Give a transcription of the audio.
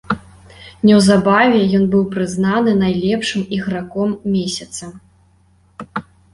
Неўзабаве ён быў прызнаны найлепшым іграком месяца.